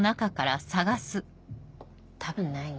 多分ないね。